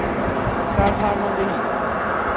سرفرماندهی